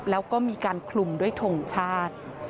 แล้วก็มีการคลุมด้วยทงชาติ